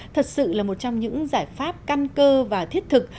thật sự là một trong những giải pháp căn cơ và thiết thực